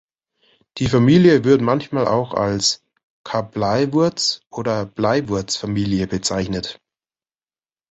Die Familie wird manchmal auch als Kapbleiwurz- oder als Bleiwurz-Familie bezeichnet.